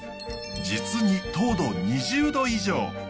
実に糖度２０度以上。